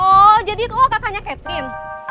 oh jadi lu kakaknya kevin